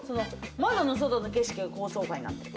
窓の外の景色が高層階になってる。